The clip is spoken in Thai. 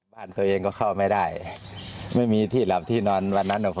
บ้านตัวเองก็เข้าไม่ได้ไม่มีที่หลับที่นอนวันนั้นหรอก